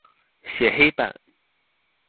寫黑板